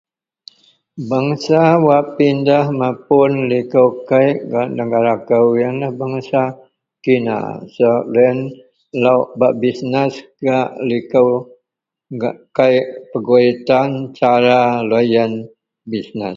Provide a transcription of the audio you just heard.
Bangsa wak bak pindah gak liko kei yian lah kina bangsa wak suka business gak likou kei pegui tan cara loyin business